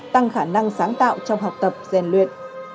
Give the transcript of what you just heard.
tăng khả năng sáng tạo trong học tập rèn luyện